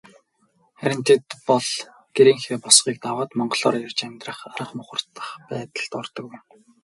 Харин тэд бол гэрийнхээ босгыг даваад монголоор ярьж амьдрах арга мухардах байдалд ордог юм.